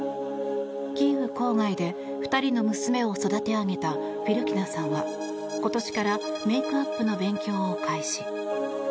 キーウ郊外で２人の娘を育て上げたフィルキナさんは今年からメイクアップの勉強を開始。